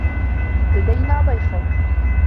لدينا ضيف.